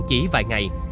chỉ vài ngày